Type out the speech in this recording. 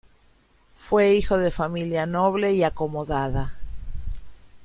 Fue hijo de familia noble y acomodada.